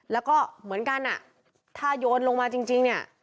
แล้วก็เหมือนกันอ่ะถ้าโยนลงมาจริงเนี่ย